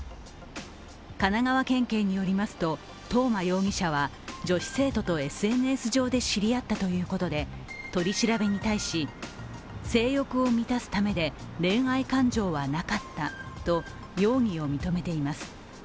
神奈川県警によりますと、藤間容疑者は女子生徒とＳＮＳ上で知り合ったということで取り調べに対し、性欲を満たすためで恋愛感情はなかったと容疑を認めています。